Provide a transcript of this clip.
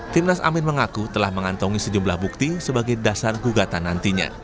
timnas amin mengaku telah mengantongi sejumlah bukti sebagai dasar gugatan nantinya